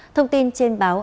thông tin trên báo